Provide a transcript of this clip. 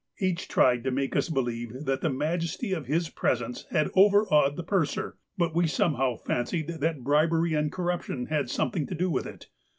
H. tried to make us believe that the majesty of his presence had over awed the purser, but we somehow fancied that bribery and corruption had something to do with it.